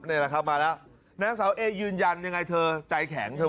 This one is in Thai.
นี่แหละครับมาแล้วนางสาวเอยืนยันอย่างไรเจ้าใจแข็ง